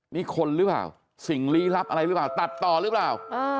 นี่คนหรือเปล่าสิ่งลี้ลับอะไรหรือเปล่าตัดต่อหรือเปล่า